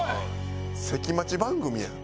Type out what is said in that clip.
関町番組やん。